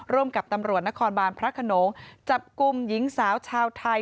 ร่มกับตำรวจนครบานปรักษณงค์จับกุมหญิงสาวชาวไทย